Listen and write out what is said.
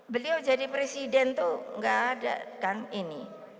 beliau jadi presiden tuh gak ada kan ini